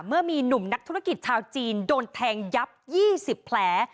เมื่อมีหนุ่มนักธุรกิจชาวจีนโดนแทงยับ๒๐แผล